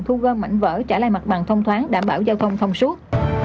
thu gom mảnh vỡ trả lại mặt bằng thông thoáng đảm bảo giao thông thông suốt